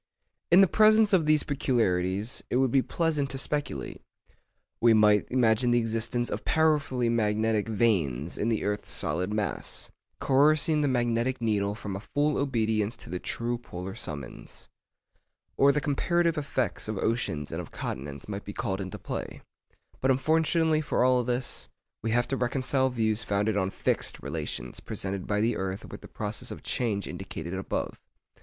In the presence of these peculiarities, it would be pleasant to speculate. We might imagine the existence of powerfully magnetic veins in the earth's solid mass, coercing the magnetic needle from a full obedience to the true polar summons. Or the comparative effects of oceans and of continents might be called into play. But unfortunately for all this, we have to reconcile views founded on fixed relations presented by the earth with the process of change indicated above.